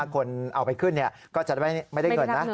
คนเอาไปขึ้นก็จะไม่ได้เงินนะ